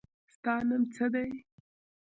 ستا نوم څه دی.